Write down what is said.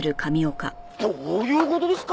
どういう事ですか？